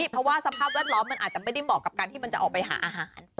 เพราะว่าสภาพแวดล้อมมันอาจจะไม่ได้เหมาะกับการที่มันจะออกไปหาอาหาร